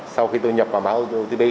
sau khi tôi nhập vào mã otp